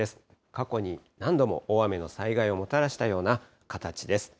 過去に何度も大雨の災害をもたらしたような形です。